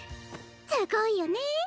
すごいよね。